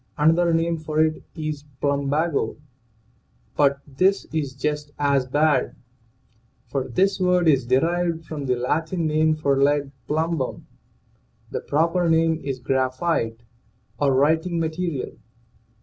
Another name for it is plumbago, but this is just as bad, for this word is derived from the Latin name for lead (plumbum).. The proper name is graphite, or writing "material.